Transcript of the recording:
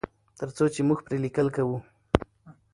تر څو چې موږ پرې لیکل کوو.